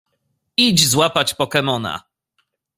Idź złapać pokemona.